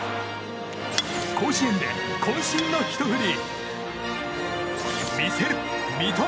甲子園で渾身のひと振り。